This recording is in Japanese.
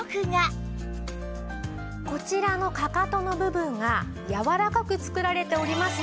こちらのかかとの部分がやわらかく作られておりますので